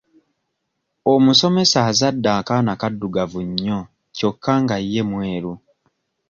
Omusomesa azadde akaana kaddugavu nnyo kyokka nga ye mweru.